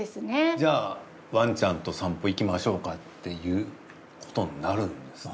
じゃあワンちゃんと散歩行きましょうかっていうことになるんですね。